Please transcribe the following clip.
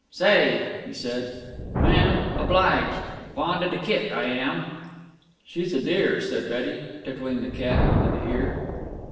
"Say!" he said. "Ma'am, obliged. Fond of de kit. I am." "She's a dear," said Betty, tickling the cat under the ear.